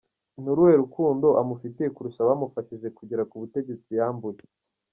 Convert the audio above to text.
Nuruhe rukundo amufitiye kurusha abamufashije kugera k’ubutegetsi yambuye?